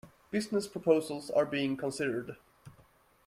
Business proposals are being considered.